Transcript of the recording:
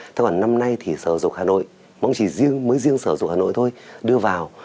thế còn năm nay thì sở dục hà nội cũng chỉ riêng mới riêng sở dục hà nội thôi đưa vào